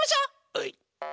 はい！